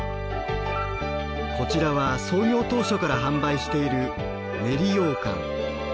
こちらは創業当初から販売している練りようかん。